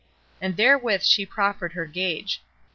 And therewith she proffered her gage.